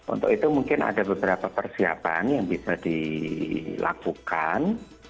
untuk itu mungkin ada beberapa persiapan yang bisa dilakukan